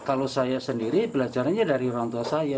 kalau saya sendiri belajarnya dari orang tua saya